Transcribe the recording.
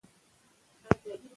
که سړکونه جوړ وي نو تګ نه ستیږي.